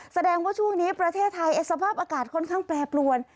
แสดงว่าช่วงนี้ประเทศไทยสภาพอากาศค่อนข้างแปรปรวน